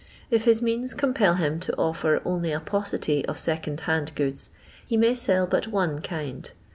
If his means compel him to offer onlj a paucity of second hand good% he may sell but one kind.